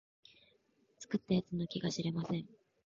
作った奴の気が知れません